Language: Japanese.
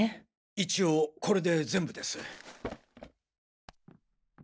一応これで全部です。